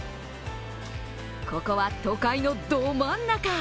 ここは都会のど真ん中。